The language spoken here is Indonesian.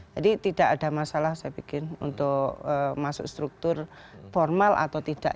jadi tidak ada masalah saya pikir untuk masuk struktur formal atau tidak